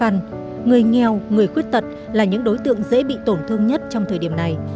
người nghèo người khuyết tật là những đối tượng dễ bị tổn thương nhất trong thời điểm này